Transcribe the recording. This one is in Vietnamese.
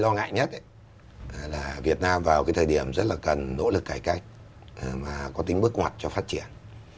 lo ngại nhất là việt nam vào cái thời điểm rất là cần nỗ lực cải cách mà có tính bước ngoặt cho phát triển